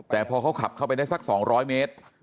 แต่พอเขาขับเข้าไปได้สัก๒๐๐เมตร